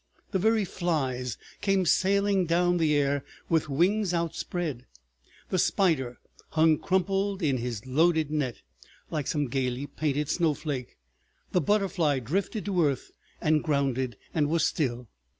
The very flies came sailing down the air with wings outspread; the spider hung crumpled in his loaded net; like some gaily painted snowflake the butterfly drifted to earth and grounded, and was still.